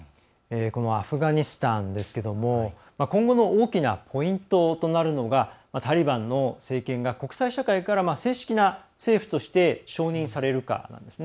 このアフガニスタンですけれども今後の大きなポイントとなるのがタリバンの政権が国際社会から正式な政府として承認されるかなんですね。